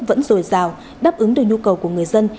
vẫn rồi rào đáp ứng được nhu cầu của người dân